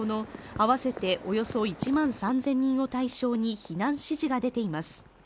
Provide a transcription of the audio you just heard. あわせておよそ１万３０００人を対象に避難指示が出ています。